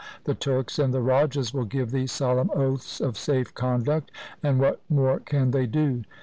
The Turks and the rajas will give thee solemn oaths of safe conduct, and what more can they do